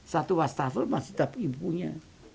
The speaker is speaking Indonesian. satu wastafel masih tapi ibunya